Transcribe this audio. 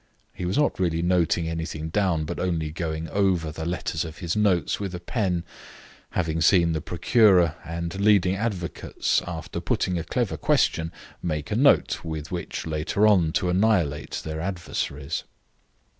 He was not really noting anything down, but only going over the letters of his notes with a pen, having seen the procureur and leading advocates, after putting a clever question, make a note, with which, later on, to annihilate their adversaries.